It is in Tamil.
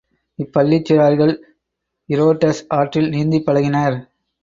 இப்பள்ளிச் சிறார்கள் இரோடஸ் ஆற்றில் நீந்திப் பழகினர்.